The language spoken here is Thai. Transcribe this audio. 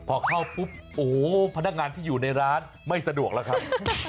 พอเข้าปุ๊บโอ้โหพนักงานที่อยู่ในร้านไม่สะดวกแล้วครับ